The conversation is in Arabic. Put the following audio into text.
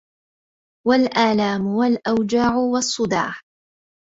والآلام والأوجاع والصداع